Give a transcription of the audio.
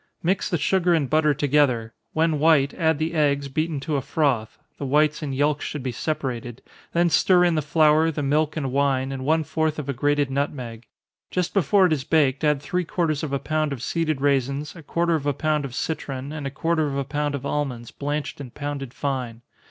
Mix the sugar and butter together when white, add the eggs, beaten to a froth, (the whites and yelks should be separated) then stir in the flour, the milk and wine, and one fourth of a grated nutmeg. Just before it is baked, add three quarters of a pound of seeded raisins, a quarter of a pound of citron, and a quarter of a pound of almonds, blanched and pounded fine.